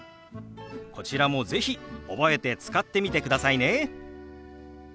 こちらも是非覚えて使ってみてくださいね。